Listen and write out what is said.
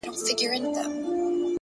پوهه د انسان تر ټولو اوږدمهاله ملګرې ده!